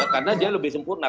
karena dia lebih sempurna